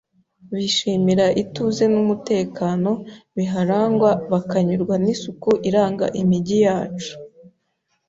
Bishimira ituze n’umutekano biharangwa bakanyurwa n’isuku iranga imigi yacu